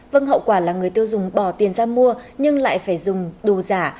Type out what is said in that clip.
vâng hậu quả là người tiêu dùng bỏ tiền ra mua nhưng lại phải dùng đồ giả